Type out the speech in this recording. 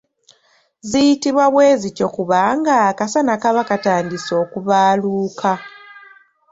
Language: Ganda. Ziyitibwa bwe zityo, kubanga akasana kaba katandise okubaaluuka.